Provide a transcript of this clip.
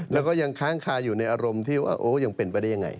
แล้วก็ยังค้างคาอยู่ในอารมณ์ที่ว่าโอ้ยังเป็นไปได้ยังไง